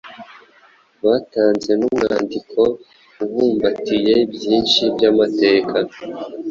Batanze n'umwandiko ubumbatiye byinshi by’amateka.